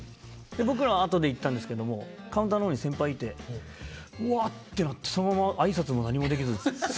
僕らあとで行ったんですけどもカウンターの方に先輩いてうわってなってそのまま挨拶も何もできず素通りしていくという。